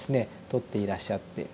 撮っていらっしゃって。